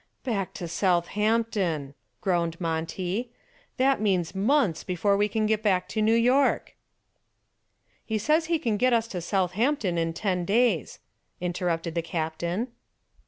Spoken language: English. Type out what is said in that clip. "Back to Southampton!" groaned Monty. "That means months before we get back to New York." "He says he can get us to Southampton in ten days," interrupted the captain.